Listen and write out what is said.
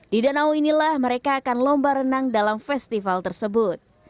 di danau inilah mereka akan lomba renang dalam festival tersebut